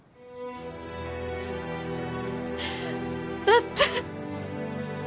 だって。